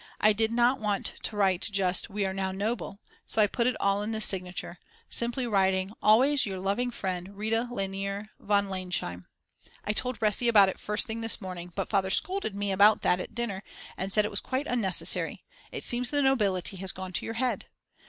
I did not want to write just: We are now noble, so I put it all in the signature, simply writing Always your loving friend Rita Lainer von Lainsheim. I told Resi about it first thing this morning, but Father scolded me about that at dinner time and said it was quite unnecessary; it seems the nobility has gone to your head.